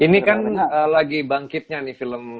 ini kan lagi bangkitnya nih film